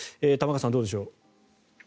玉川さん、どうでしょう。